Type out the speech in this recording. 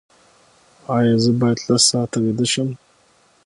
ایا زه باید لس ساعته ویده شم؟